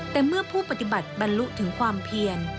แต่เมื่อผู้ปฏิบัติบรรลุถึงความเพียร